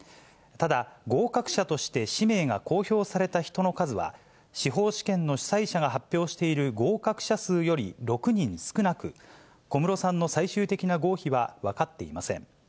ただ、合格者として氏名が公表された人の数は、司法試験の主催者が発表している合格者数より６人少なく、小室さんの最終的な合否は分かっていません。